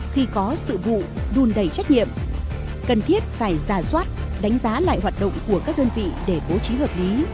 khi có sự vụ đun đầy trách nhiệm cần thiết phải giả soát đánh giá lại hoạt động của các đơn vị để bố trí hợp lý